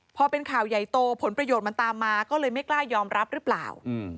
พอเป็นข่าวใหญ่โตผลประโยชน์มันตามมาก็เลยไม่กล้ายอมรับหรือเปล่า